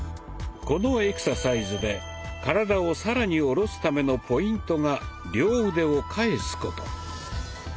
このエクササイズで体を更に下ろすためのポイントが両腕を返すこと。